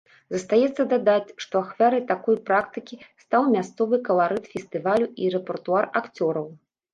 Застаецца дадаць, што ахвярай такой практыкі стаў мясцовы каларыт фестывалю і рэпертуар акцёраў.